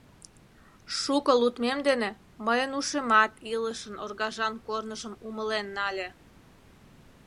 Шуко лудмем дене мыйын ушемат илышын оргажан корныжым умылен нале.